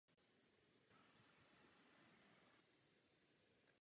Raketa měla čtyři stupně.